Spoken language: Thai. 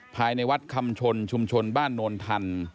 ภายในวัดคำชนชุมชนบ้านโนนทัน